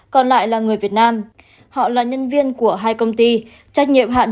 còn lại là người việt nam họ là nhân viên của hai công ty trách nhiệm hạn